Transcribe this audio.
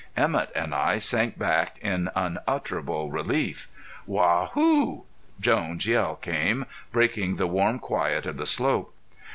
Emett and I sank back in unutterable relief. "Waa hoo!" Jones' yell came, breaking the warm quiet of the slope.